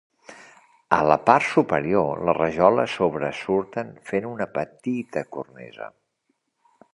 A la part superior, les rajoles sobresurten fent una petita cornisa.